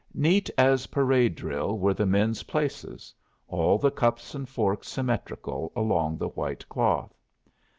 Neat as parade drill were the men's places, all the cups and forks symmetrical along the white cloth.